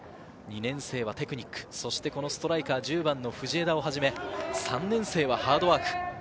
２年生はテクニック、そしてストライカー１０番の藤枝をはじめ、３年生はハードワーク。